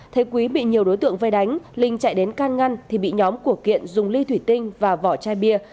thấy quý bị nhiều đối tượng vây đánh linh chạy đến can ngăn thì bị nhóm của kiện dùng ly thủy tinh và vỏ chai bia